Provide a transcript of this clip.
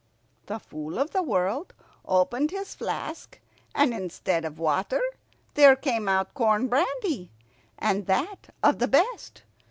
The Fool of the World opened his flask, and instead of water there came out corn brandy, and that of the best.